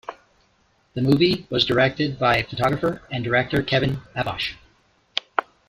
The movie was directed by photographer and director Kevin Abosch.